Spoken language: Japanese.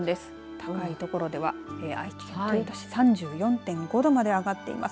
高い所では愛知県豊田市３４．５度まで上がっています。